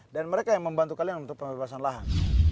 dan mereka yang membantu kalian untuk pembebasan lahan